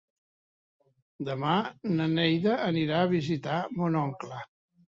Demà na Neida anirà a visitar mon oncle.